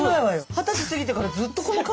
二十歳過ぎてからずっとこの顔。